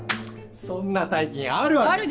そんな大金あるわけ。